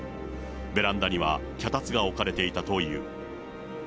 ベランダには脚立が置かれていたという。